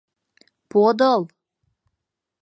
Подыл!..